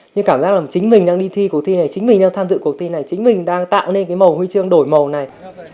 nhưng cảm giác là chính mình đang đi thi cuộc thi này chính mình đang tham dự cuộc thi này chính mình đang tạo nên cái màu huy chương đổi màu này